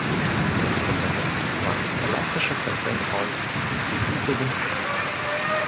Das Fundament weist elastische Fesseln auf, die Hufe sind hart.